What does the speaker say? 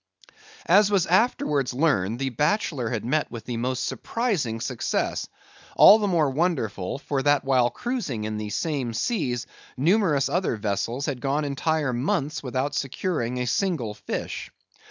As was afterwards learned, the Bachelor had met with the most surprising success; all the more wonderful, for that while cruising in the same seas numerous other vessels had gone entire months without securing a single fish.